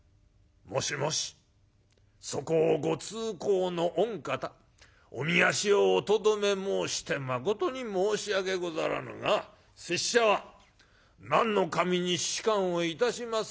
『もしもしそこをご通行の御方おみ足をおとどめ申してまことに申し訳ござらぬが拙者は何の守に仕官をいたします